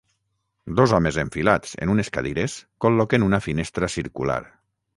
Dos homes enfilats en unes cadires col·loquen una finestra circular.